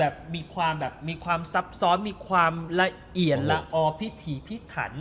แบบมีความซับซ้อนมีความละเอียนละออพิถีพิถัน